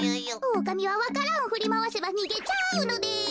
おおかみはわか蘭をふりまわせばにげちゃうのです。